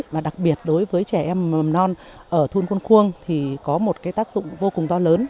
và đặc biệt đối với trẻ em mầm non ở thôn khuôn khuông thì có một tác dụng vô cùng to lớn